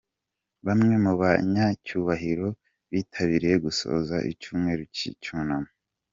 Bamwe mu banyacyubahiro bitabiriye gusoza icyumweru cy'icyunamo.